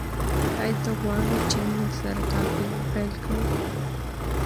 ایا ته غواړې چې موږ سره کار پیل کړې؟